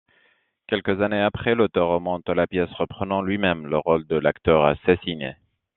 Quelques années après, l'auteur remonte la pièce, reprenant lui-même le rôle de l'acteur assassiné.